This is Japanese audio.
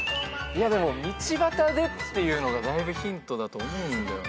道端でっていうのがだいぶヒントだと思うんだよな。